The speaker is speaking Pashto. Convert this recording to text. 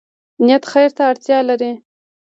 نیت خیر ته اړتیا لري